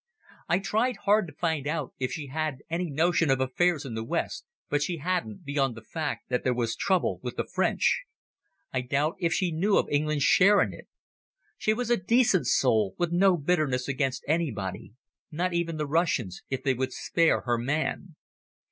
I tried hard to find out if she had any notion of affairs in the West, but she hadn't, beyond the fact that there was trouble with the French. I doubt if she knew of England's share in it. She was a decent soul, with no bitterness against anybody, not even the Russians if they would spare her man.